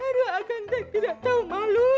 aduh akang teh tidak tahu malu